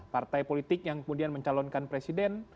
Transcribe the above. partai politik yang kemudian mencalonkan presiden